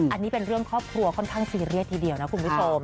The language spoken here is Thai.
อันนี้เป็นเรื่องครอบครัวค่อนข้างซีเรียสทีเดียวนะคุณผู้ชม